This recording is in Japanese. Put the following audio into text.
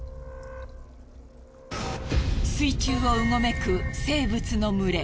水中をうごめく生物の群れ。